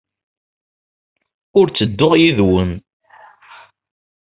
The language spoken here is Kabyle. Ur ttedduɣ yid-went.